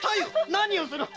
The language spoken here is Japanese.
何をする！